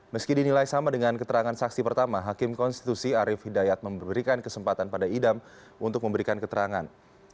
meski dinilai sama dengan keterangan saksi pertama hakim konstitusi arief hidayat memberikan kesempatan pada idam untuk memberikan keterangan